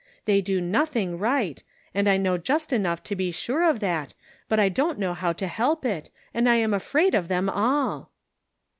They do nothing right, and I know just enough to be sure of that, but I don't know how to help it, and I am afraid of them all."